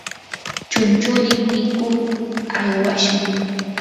chunchulin mikuq aywashun.